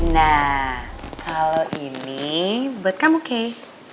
nah kalau ini buat kamu kay